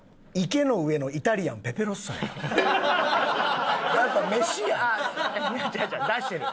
「池ノ上のイタリアンペペロッソ」やん。